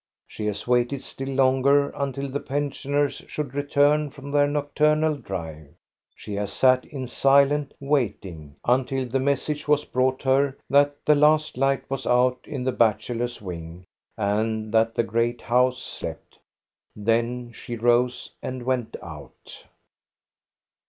She has waited still longer, until the pensioners should return from their nocturnal drive. She has sat in silent waiting, until the message was brought her that the last light was out in the bachelors' wing and that the great house slept. Then she rose and went out.